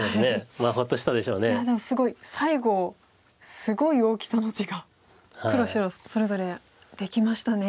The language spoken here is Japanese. いやでもすごい最後すごい大きさの地が黒白それぞれできましたね。